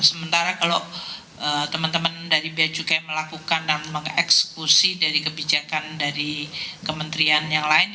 sementara kalau teman teman dari beacukai melakukan dan mengeksekusi dari kebijakan dari kementerian yang lain